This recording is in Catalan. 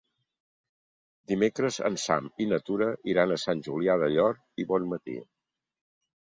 Dimecres en Sam i na Tura iran a Sant Julià del Llor i Bonmatí.